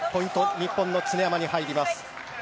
日本の常山に入ります。